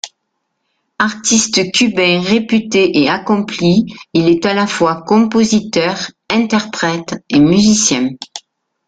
Artiste cubain réputé et accompli, il est à la fois compositeur, interprète et musicien.